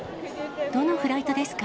どのフライトですか？